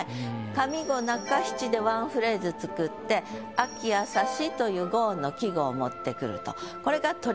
上五中七で１フレーズ作って「秋浅し」という５音の季語を持ってくると。